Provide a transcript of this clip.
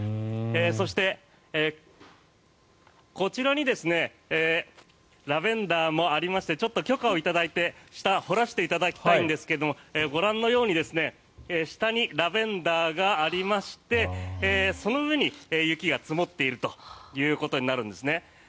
そして、こちらにラベンダーもありまして許可を頂いて下を掘らせていただきたいんですがご覧のように下にラベンダーがありましてその上に雪が積もっているということになるんです。